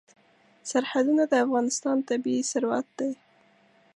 سرحدونه د افغانستان طبعي ثروت دی.